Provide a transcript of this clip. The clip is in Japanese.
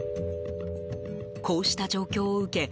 こうした状況を受け